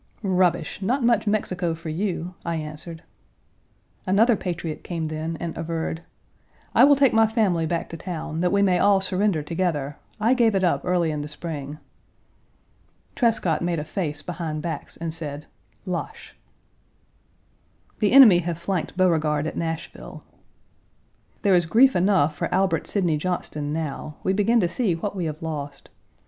"Rubbish, not much Mexico for you," I answered. Another patriot came then and averred, "I will take my family back to town, that we may all surrender together. I gave it up early in the spring." Trescott made a face behind backs, and said: " Lache!" The enemy have flanked Beauregard at Nashville. There is grief enough for Albert Sidney Johnston now; we begin to see what we have lost.